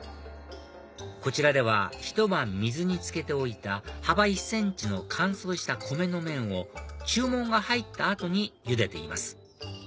こちらではひと晩水に漬けておいた幅１ｃｍの乾燥した米の麺を注文が入った後にゆでています